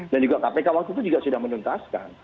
dan juga kpk waktu itu juga sudah menuntaskan